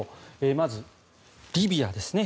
まず、リビアですね。